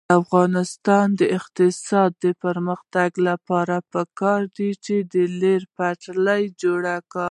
د افغانستان د اقتصادي پرمختګ لپاره پکار ده چې ریل پټلۍ جوړه شي.